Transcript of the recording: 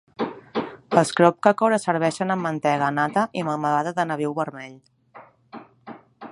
Els Kroppkakor es serveixen amb mantega, nata i melmelada de nabiu vermell.